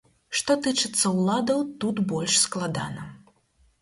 Што тычыцца ўладаў, тут больш складана.